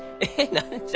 何じゃ？